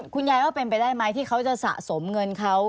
คุณยายว่าเป็นไปได้ไหมที่เขาจะสะสมเงินเขา